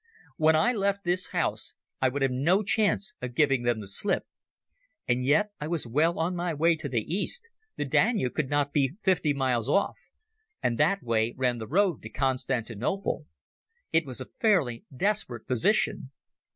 When I left this house I would have no chance of giving them the slip. And yet I was well on my way to the East, the Danube could not be fifty miles off, and that way ran the road to Constantinople. It was a fairly desperate position.